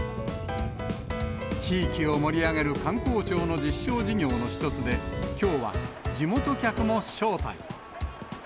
地域を盛り上げる観光庁の実証事業の一つで、きょうは地元客も招待。